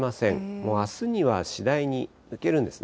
もうあすには次第に抜けるんですね。